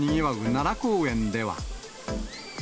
奈良公園では。